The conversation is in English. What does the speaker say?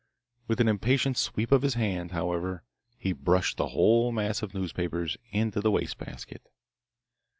With an impatient sweep of his hand, however, he brushed the whole mass of newspapers into the waste basket.